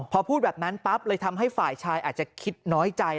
พอพูดแบบนั้นปั๊บเลยทำให้ฝ่ายชายอาจจะคิดน้อยใจ